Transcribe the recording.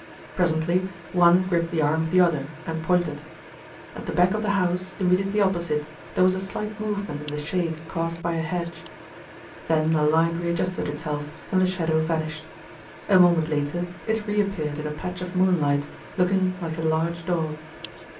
Presently one gripped the arm of the other and pointed. At the back of the house immediately opposite there was a slight movement in the shade cast by a hedge. Then the line readjusted itself and the shadow vanished. A moment later it reappeared in a patch of moonlight, looking like a large dog.